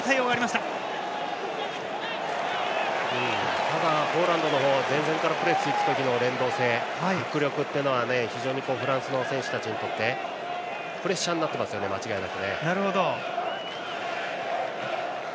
ただ、ポーランドの方は前線からプレスに行く時の連動性迫力というのは非常にフランスの選手たちにとってプレッシャーになっていますね間違いなく。